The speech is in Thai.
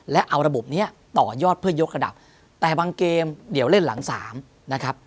และเอาระบบนี้ต่อยอดเพื่อยกระดับแต่บางเกมเดี๋ยวเล่นหลังสามนะครับ